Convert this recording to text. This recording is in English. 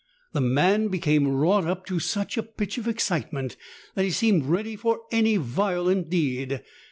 The man became wrought up to such a pitch of excitement that he seemed ready for any violent deed.